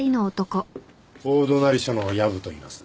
大隣署の薮といいます。